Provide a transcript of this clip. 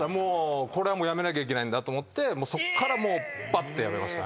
これはもうやめなきゃいけないんだと思ってそっからもうバッてやめましたね。